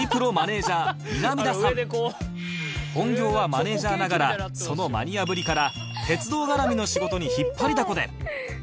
本業はマネジャーながらそのマニアぶりから鉄道絡みの仕事に引っ張りだこで